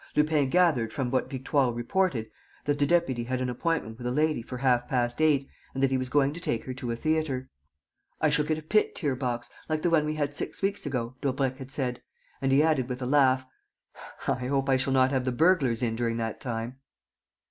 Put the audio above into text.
Lupin gathered, from what Victoire reported, that the deputy had an appointment with a lady for half past eight and that he was going to take her to a theatre: "I shall get a pit tier box, like the one we had six weeks ago," Daubrecq had said. And he added, with a laugh, "I hope that I shall not have the burglars in during that time."